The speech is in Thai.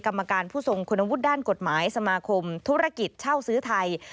กรรมการผู้ทรงคุณวุฒิด้านกฎหมายสมาคมธุรกิจเช่าซื้อไทย